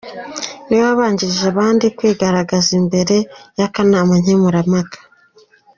niwe wabanjirije abandi kwigaragaza imbere y’akanama nkemurampaka.